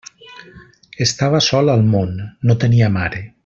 Estava sol al món; no tenia mare.